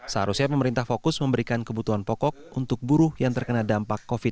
seharusnya pemerintah fokus memberikan kebutuhan pokok untuk buruh yang terkena dampak covid sembilan belas